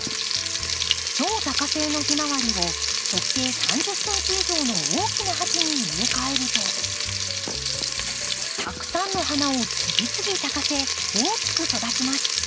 超多花性のヒマワリを直径３０ｃｍ以上の大きな鉢に植え替えるとたくさんの花を次々咲かせ大きく育ちます。